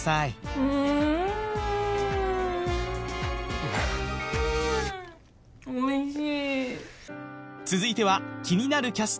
うんおいしい！